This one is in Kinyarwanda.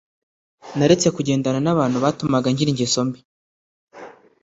naretse kugendana n ‘abantu batumaga ngira ingeso mbi.